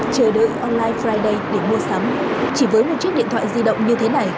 chờ đợi online friday để mua sắm chỉ với một chiếc điện thoại di động như thế này